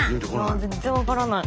全然分からない。